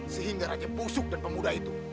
sehingga raja busuk dan pemuda itu